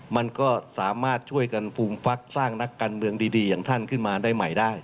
มันก็สามารถช่วยกันฟูมฟักสร้างนักการเมืองดีอย่างท่านขึ้นมาได้ใหม่ได้